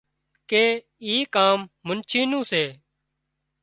ڪي اي ڪام منڇي نُون سي